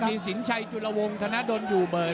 มีสินไช่จุลวงธนดลอยู่เบล